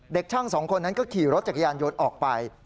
เด็กช่างสองคนนั้นก็ขี่รถจักรยานยนต์ออกไป